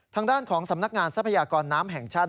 ทางด้านของสำนักงานทรัพยากรน้ำแห่งชาติ